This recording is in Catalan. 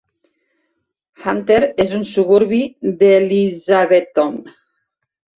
Hunter és un suburbi d'Elizabethton.